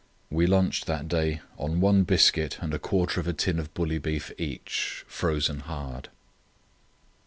We lunched that day on one biscuit and a quarter of a tin of bully beef each, frozen hard.